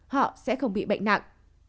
họ sẽ không bị bệnh nặng